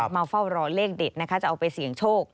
มาเฝ้ารอเลขเด็ดนะคะจะเอาไปเสี่ยงโชค